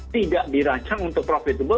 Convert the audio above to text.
tidak dirancang untuk profitable